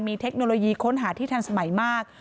มีเทคโนโลยีค้นหาที่ทันสมัยมาก